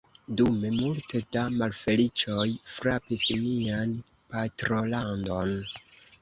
Dume, multe da malfeliĉoj frapis nian patrolandon.